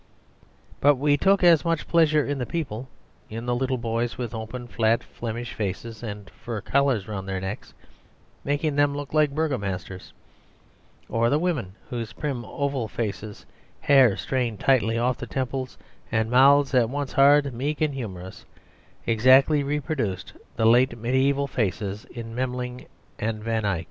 But we took as much pleasure in the people, in the little boys with open, flat Flemish faces and fur collars round their necks, making them look like burgomasters; or the women, whose prim, oval faces, hair strained tightly off the temples, and mouths at once hard, meek, and humorous, exactly reproduced the late mediaeval faces in Memling and Van Eyck.